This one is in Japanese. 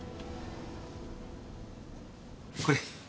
これ。